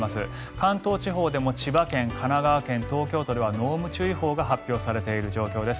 関東地方でも千葉県、神奈川県、東京都では濃霧注意報が発表されている状況です。